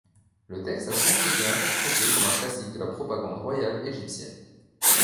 Le texte a souvent été interprété comme un classique de la propagande royale égyptienne.